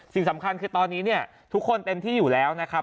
สิ่งสำคัญคือตอนนี้เนี่ยทุกคนเต็มที่อยู่แล้วนะครับ